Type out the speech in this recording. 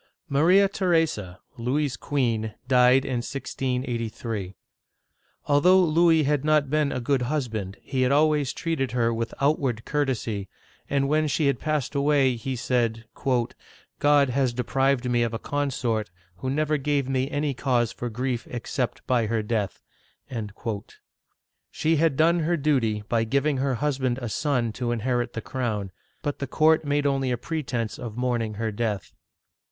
" Maria Theresa, Louis's queen, died in 1683. Although Louis had not been a good husband, he had always treated her with outward courtesy, and when she had passed away, he said, " God has deprived me of a consort who never gave me any cause for grief except by her death." She had done her duty by giving her husband a son to in herit the crown ; but the court made only a pretense of mourning her death.